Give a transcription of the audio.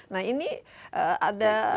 nah ini ada